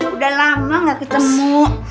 udah lama nggak ketemu